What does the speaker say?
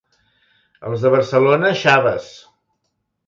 Els de Barcelona, xaves.